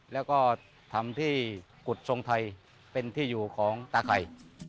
แล้วก็ทำที่กุฎทรงไทยเป็นที่อยู่ของตาไข่